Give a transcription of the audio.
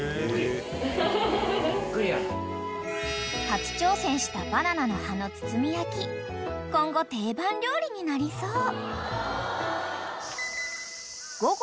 ［初挑戦したバナナの葉の包み焼き今後定番料理になりそう］